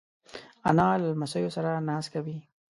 انا له لمسیو سره ناز کوي